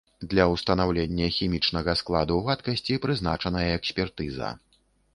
Для ўстанаўлення хімічнага складу вадкасці прызначаная экспертыза.